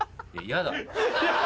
嫌だ。